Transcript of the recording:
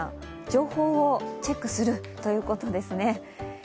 情報をチェックするということですね。